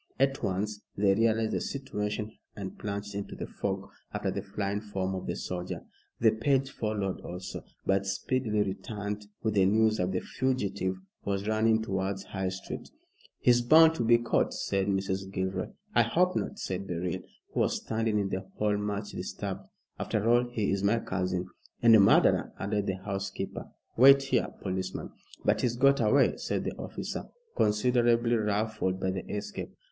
At once they realized the situation, and plunged into the fog after the flying form of the soldier. The page followed also, but speedily returned with the news that the fugitive was running towards High Street. "He's bound to be caught," said Mrs. Gilroy. "I hope not," said Beryl, who was standing in the hall much disturbed. "After all, he is my cousin." "And a murderer," added the housekeeper. "Wait here, policeman." "But he's got away," said the officer, considerably ruffled by the escape.